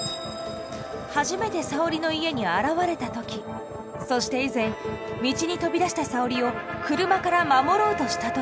初めて沙織の家に現れた時そして以前道に飛び出した沙織を車から守ろうとした時。